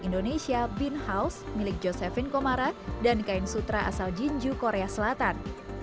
indonesia bin house milik josephin komara dan kain sutra asal jinju korea selatan